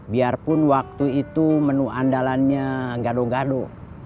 biarpun waktu itu menu andalannya gado gado